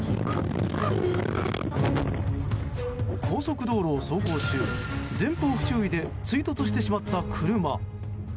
高速道路を走行中前方不注意で追突してしまった車。